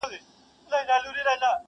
رقیبانو په پېغور ډېر په عذاب کړم٫